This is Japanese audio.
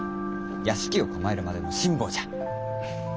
屋敷を構えるまでの辛抱じゃ。